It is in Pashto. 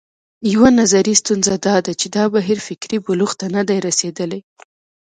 یوه نظري ستونزه دا ده چې دا بهیر فکري بلوغ ته نه دی رسېدلی.